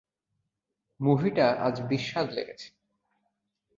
মুভিটা আজ বিস্বাদ লেগেছে।